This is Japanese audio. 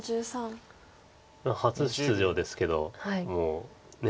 初出場ですけどもうねえ